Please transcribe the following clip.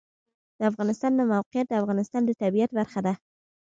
د افغانستان د موقعیت د افغانستان د طبیعت برخه ده.